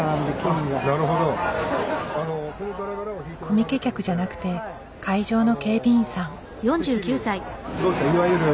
コミケ客じゃなくて会場の警備員さん。